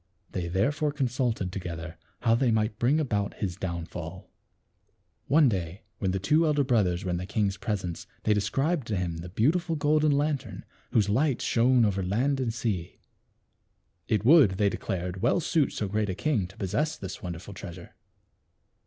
They therefore consulted together how they might bring about his down fall. One day when the two elder brothers were in the king's presence they described to him the beautiful golden lantern, whose light shone over land and sea. It would, they declared, well suit so great a king to possess this wonderful treasure.